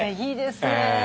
いいですね。